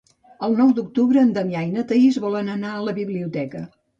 El nou d'octubre en Damià i na Thaís volen anar a la biblioteca.